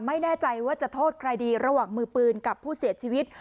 ไม่แน่ใจว่าจะโทษใครดีระหว่างมือปืนกับผู้เสียชีวิต